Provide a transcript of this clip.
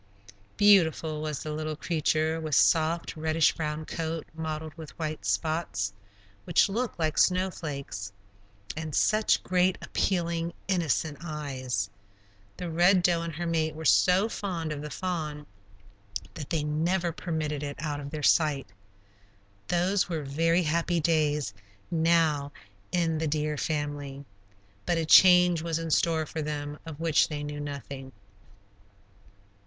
Beautiful was the little creature, with soft, reddish brown coat mottled with white spots, which looked like snowflakes, and such great, appealing, innocent eyes. The Red Doe and her mate were so fond of the fawn that they never permitted it out of their sight. Those were very happy days now in the deer family. But a change was in store for them of which they knew nothing.